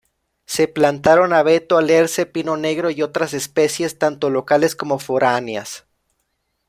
Se plantaron abeto, alerce, pino negro y otras especies tanto locales como foráneas.